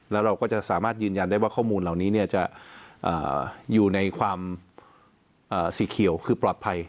แล้วเราก็จะสามารถยืนยันได้ว่าข้อมูลเหล่านี้จะอยู่ในความสีเขียวคือปลอดภัย